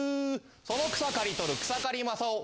その草刈り取る草刈正雄。